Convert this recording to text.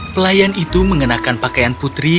pelayan itu mengenakan pakaian putri